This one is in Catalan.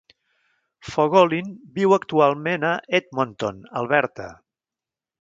Fogolin viu actualment a Edmonton, Alberta.